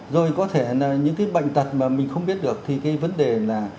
rồi có thể là những cái bệnh tật mà mình không biết được thì cái vấn đề là